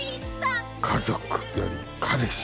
家族より彼氏。